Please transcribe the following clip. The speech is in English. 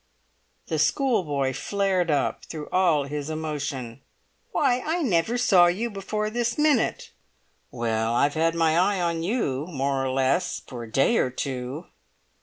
The schoolboy flared up through all his emotion. "Why, I never saw you before this minute!" "Well, I've had my eye on you, more or less, for a day or two."